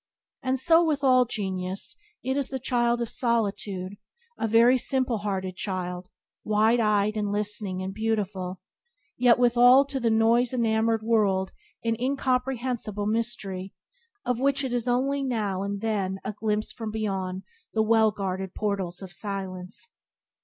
And so with all genius: it is the child of solitude — a very simple hearted child — wide eyed and listening and beautiful, yet withal to the noise enamoured world an incomprehensible mystery, of which it is only now and then vouchsafed a glimpse from beyond the well guarded Portals of Silence.